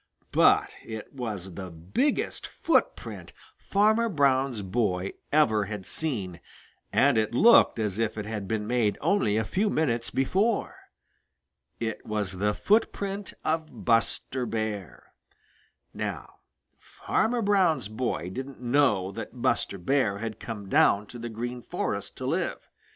But it was the biggest footprint Farmer Brown's boy ever had seen, and it looked as if it had been made only a few minutes before. It was the footprint of Buster Bear. Now Farmer Brown's boy didn't know that Buster Bear had come down to the Green Forest to live.